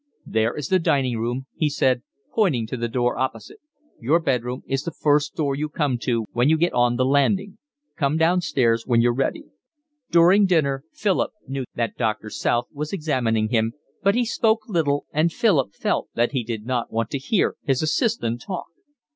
"There is the dining room," he said, pointing to the door opposite. "Your bed room is the first door you come to when you get on the landing. Come downstairs when you're ready." During dinner Philip knew that Doctor South was examining him, but he spoke little, and Philip felt that he did not want to hear his assistant talk.